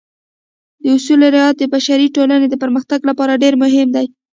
د اصولو رعایت د بشري ټولنې د پرمختګ لپاره ډېر مهم دی.